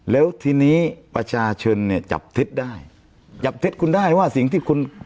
แล้วทีนี้ประชาชนเนี่ยจับเท็จได้จับเท็จคุณได้ว่าสิ่งที่คุณ